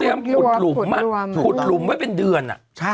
ประโยชน์คุดรุมวางแผนไว้เป็นเดือน